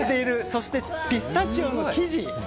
そしてピスタチオの生地。